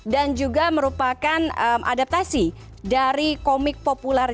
dan juga merupakan adaptasi dari komik populer